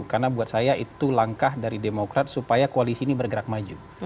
karena buat saya itu langkah dari demokrat supaya koalisi ini bergerak maju